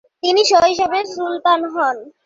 তিনি শৈশবে সুলতান হন।